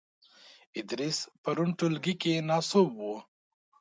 ادریس پرون ټولګې کې ناسوب وو .